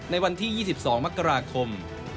ในวันที่๒๒มกราคม